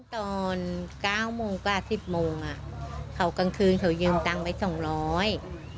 ตอนเก้าโมงกว่าสิบโมงอ่ะเขากลางคืนเขายืมตังค์ไปสองร้อย